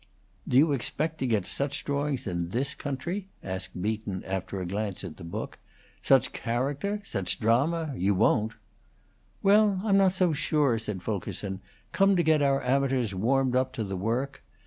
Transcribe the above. "Do you expect to get such drawings in this country?" asked Beaton, after a glance at the book. "Such character such drama? You won't." "Well, I'm not so sure," said Fulkerson, "come to get our amateurs warmed up to the work.